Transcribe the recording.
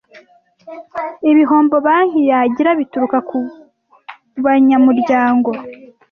ibihombo banki yagira bituruka kubanyamuryango